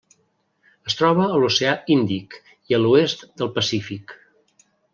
Es troba a l'Oceà Índic i a l'oest del Pacífic.